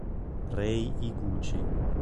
Rei Higuchi